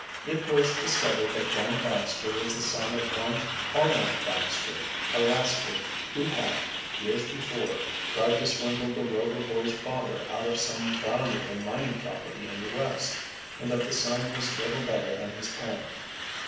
It was discovered that Dan Baxter was the son of one Arnold Baxter, a rascal who had, years before, tried to swindle the Rover boys' father out of some valuable mining property in the West, and that the son was little better than his parent.